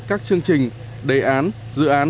các chương trình đề án dự án